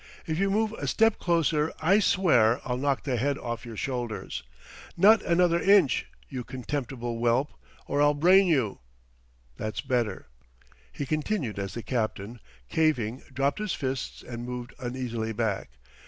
"If you move a step closer I swear I'll knock the head off your shoulders! Not another inch, you contemptible whelp, or I'll brain you!... That's better," he continued as the captain, caving, dropped his fists and moved uneasily back.